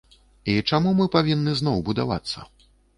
І чаму мы павінны зноў будавацца?